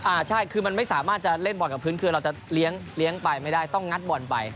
อ่าใช่คือมันไม่สามารถจะเล่นบอลกับพื้นคือเราจะเลี้ยงไปไม่ได้ต้องงัดบอลไป